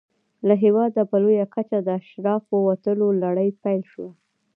له هېواده په لویه کچه د اشرافو وتلو لړۍ پیل شوې وه.